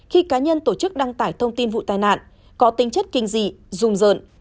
khi cá nhân tổ chức đăng tải thông tin vụ tai nạn có tính chất kinh dị rùng rợn